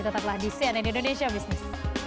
tetaplah di cnn indonesia business